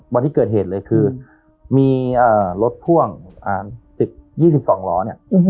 วันที่เกิดเหตุเลยคือมีเอ่อรถพ่วงอ่าสิบยี่สิบสองล้อเนี้ยอื้อฮือ